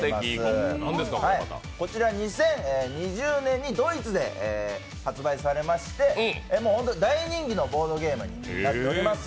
２０２０年にドイツで発売されまして大人気のボードゲームになっております。